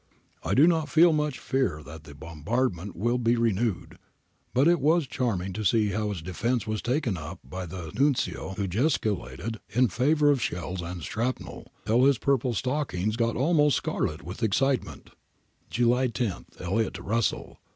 ... I do not feel much fear that the bombardment will be renewed, but it was charming to see how its defence was taken up by the Nuncio who gesti 20 * 3o8 APPENDIX A culated in favour of shells and shrapnel, till his purple stockings got almost scarlet with excitement' July lo. Elliot to Russell.